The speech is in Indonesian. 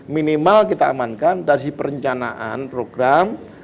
minimal kita amankan dari perencanaan program